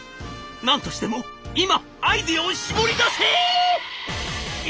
何としても今アイデアを絞り出せ！」。